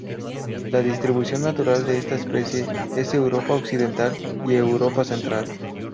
La distribución natural de esta especie es Europa Occidental y Europa Central.